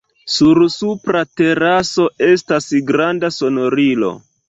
Sur supra teraso estas granda sonorilo.